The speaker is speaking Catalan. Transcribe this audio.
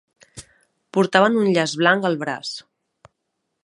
Portaven un llaç blanc al braç.